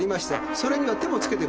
それには手もつけてません。